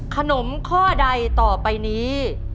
ข้อใดต่อไปนี้